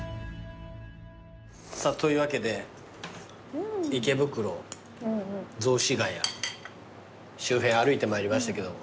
さぁというわけで池袋雑司が谷周辺歩いてまいりましたけども。